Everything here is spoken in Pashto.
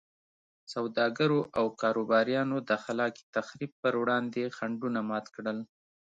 سوداګرو او کاروباریانو د خلاق تخریب پر وړاندې خنډونه مات کړل.